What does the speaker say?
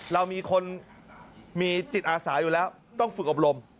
เรามีคนมีจิตอาสาอยู่แล้วต้องฝึกอบรม